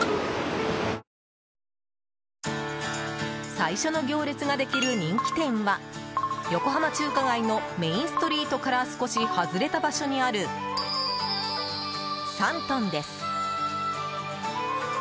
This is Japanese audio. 最初の行列ができる人気店は横浜中華街のメインストリートから少し外れた場所にある、山東です。